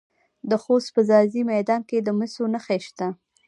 د خوست په ځاځي میدان کې د مسو نښې شته.